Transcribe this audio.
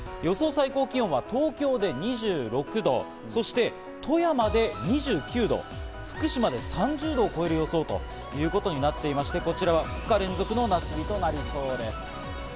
最高気温は東京で２６度、そして富山で２９度、福島で３０度を超える予想ということになっていまして、こちらは２日連続の夏日となりそうです。